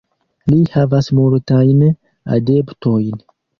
Li havas multajn adeptojn.